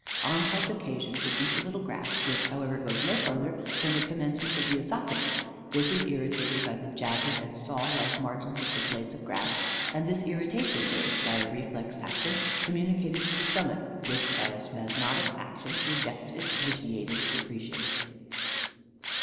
On such occasions, it eats a little grass, which, however, goes no further than the commencement of the œsophagus; this is irritated by the jagged and saw like margins of the blades of grass, and this irritation is, by a reflex action, communicated to the stomach, which, by a spasmodic action, rejects its vitiated secretion.